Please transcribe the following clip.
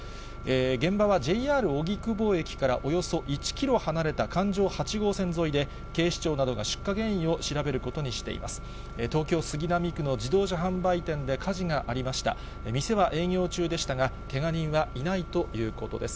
現場はＪＲ荻窪駅からおよそ１キロ離れた環状８号線沿いで、警視庁などが出火原因を調べることにしています。